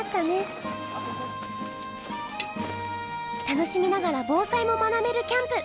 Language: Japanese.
楽しみながら防災も学べるキャンプ！